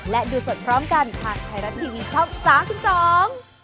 และดูสดพร้อมกันทางไทยรัฐทีวีช่อง๓๒